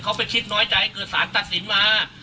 เขาไปคิดน้อยใจเกิดสารตัดสินมา